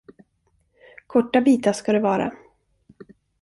Korta bitar ska det vara.